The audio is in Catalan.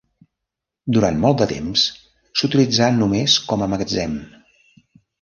Durant molt de temps s'utilitzà només com a magatzem.